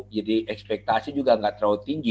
jadi ekspektasi juga nggak terlalu tinggi